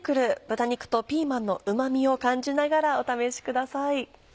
豚肉とピーマンのうま味を感じながらお試しください。